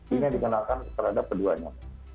ini dikenakan terhadap keduanya